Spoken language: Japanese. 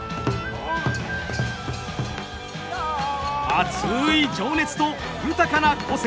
熱い情熱と豊かな個性。